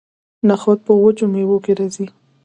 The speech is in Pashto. نخود په وچو میوو کې راځي.